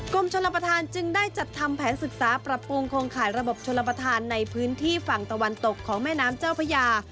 กรมชนประธานจึงได้จัดทำแผนศึกษาปรับปรุงโครงข่ายระบบชนประธานในพื้นที่ฝั่งตะวันตกของแม่น้ำเจ้าพญา